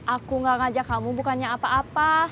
aku gak ngajak kamu bukannya apa apa